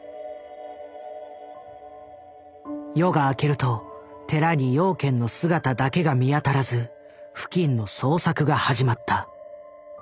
夜が明けると寺に養賢の姿だけが見当たらず付近の捜索が始まった。